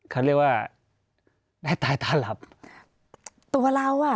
เขาเรียกว่า